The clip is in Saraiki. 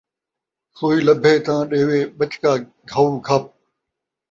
سوئی لبھے تاں ݙیوے ، بچکا گھئو گھپ